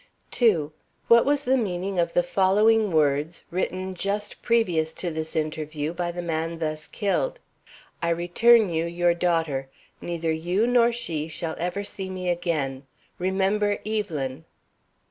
2. What was the meaning of the following words, written just previous to this interview by the man thus killed: "I return you your daughter. Neither you nor she shall ever see me again. Remember Evelyn!"